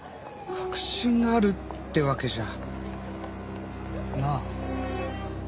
確信があるってわけじゃ。なあ？